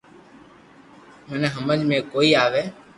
منو ھمج ۾ ڪوئي آوي